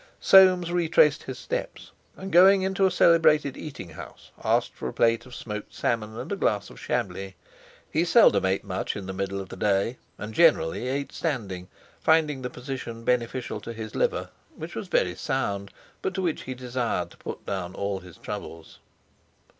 Soames retraced his steps, and going into a celebrated eating house, asked for a plate of smoked salmon and a glass of Chablis; he seldom ate much in the middle of the day, and generally ate standing, finding the position beneficial to his liver, which was very sound, but to which he desired to put down all his troubles.